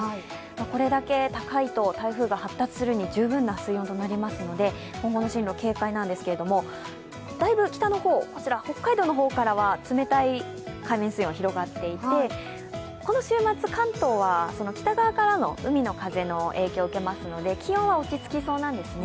これだけ高いと台風が発達するのに十分な水温となりますので今後の進路、警戒なんですけれどもだいぶ北の方、こちら北海道の方からは冷たい海面水温が広がっていて、この週末、関東は北側からの海の風の影響を受けますので気温は落ち着きそうなんですね。